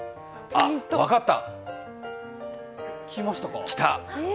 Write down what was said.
あ、分かった！